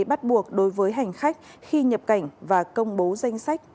bắt buộc đối với hành khách khi nhập cảnh và công bố danh sách